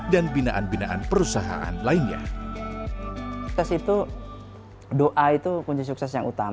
dan binaan binaan perusahaan lainnya